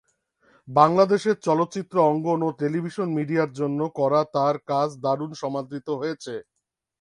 বাংলাদেশের চলচ্চিত্র অঙ্গন ও টেলিভিশন মিডিয়ার জন্য করা তাঁর কাজ দারুণ সমাদৃত হয়েছে।